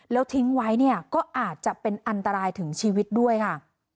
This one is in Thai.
แล้วทิ้งไว้เนี่ยก็อาจจะเป็นอันตรายถึงชีวิตด้วยค่ะ